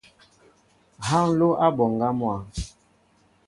Ha nló a e mɓoŋga mwa.